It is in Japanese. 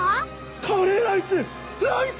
カレーライスライス！